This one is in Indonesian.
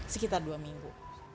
sekitar dua minggu